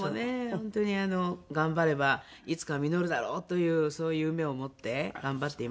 本当に頑張ればいつか実るだろうというそういう夢を持って頑張っていましたね。